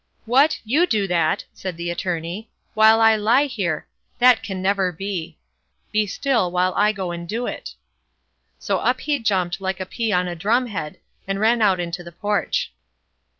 "What, you do that!" said the Attorney, "while I lie here; that can never be; lie still, while I go and do it." So up he jumped, like a pea on a drum head, and ran out into the porch.